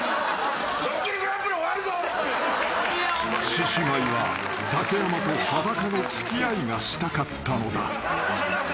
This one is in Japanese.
［獅子舞は竹山と裸の付き合いがしたかったのだ］